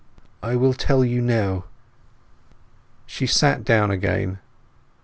I will tell you now." She sat down again.